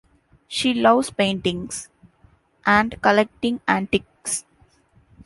She loves paintings and collecting antiques.